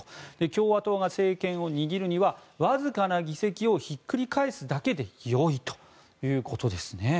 共和党が政権を握るにはわずかな議席をひっくり返すだけでよいということです。